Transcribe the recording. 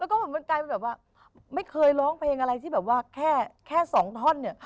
แล้วก็เหมือนมันกลายเป็นแบบว่าไม่เคยร้องเพลงอะไรที่แบบว่าแค่สองท่อนเนี่ย